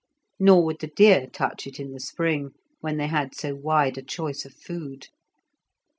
Nor would the deer touch it in the spring, when they had so wide a choice of food.